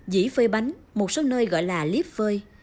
dĩ phơi bánh một số nơi gọi là liếp phơi